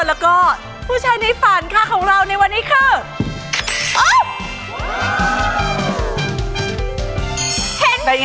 แล้วก็ผู้ชายในฝันค่ะของเราในวันนี้คือ